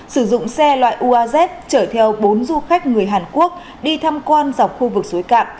sử dụng xe loại uaz chở theo bốn du khách người hàn quốc đi tham quan dọc khu vực suối cạn